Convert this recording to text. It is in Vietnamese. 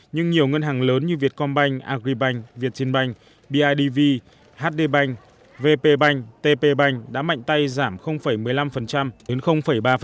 nhưng nhiều ngân hàng lớn như vietcombank agribank vietinbank bidv hdbank vpbank tpbank đã mạnh tay giảm một mươi năm đến ba